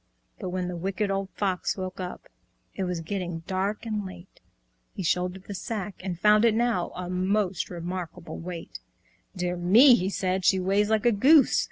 But when the Wicked Old Fox woke up, It was getting dark and late. He shouldered the sack, and found it now A most remarkable weight. "Dear me!" he said, "she weighs like a goose!